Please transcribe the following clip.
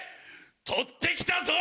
取って来たぞ！